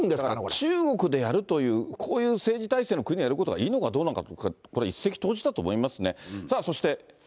中国でやるという、こういう政治体制の国がやることがいいのかどうのか、僕はこれ、一石投じたと思いますね。